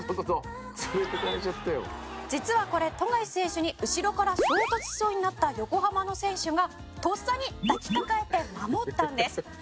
「実はこれ富樫選手に後ろから衝突しそうになった横浜の選手がとっさに抱きかかえて守ったんです」